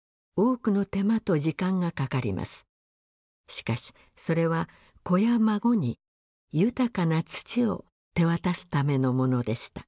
しかしそれは子や孫に豊かな土を手渡すためのものでした。